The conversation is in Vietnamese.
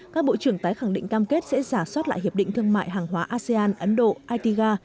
các bộ trưởng tái khẳng định cam kết sẽ giả soát lại hiệp định thương mại hàng hóa asean ấn độ itga